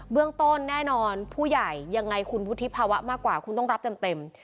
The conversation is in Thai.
เรื่องต้นแน่นอนผู้ใหญ่ยังไงคุณวุฒิภาวะมากกว่าคุณต้องรับเต็ม